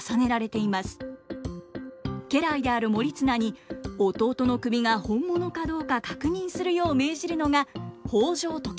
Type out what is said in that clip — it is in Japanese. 家来である盛綱に弟の首が本物かどうか確認するよう命じるのが北条時政。